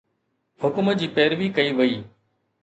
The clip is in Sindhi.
حڪم جي پيروي ڪئي وئي.